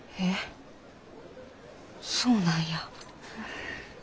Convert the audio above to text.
えそうなんや。